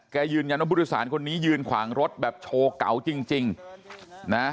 ยืนยันว่าผู้โดยสารคนนี้ยืนขวางรถแบบโชว์เก่าจริงนะ